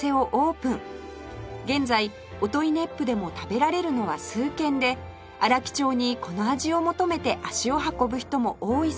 現在音威子府でも食べられるのは数軒で荒木町にこの味を求めて足を運ぶ人も多いそうです